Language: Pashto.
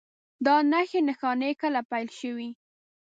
دا نښې نښانې کله پیل شوي؟